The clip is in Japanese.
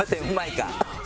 うまいか。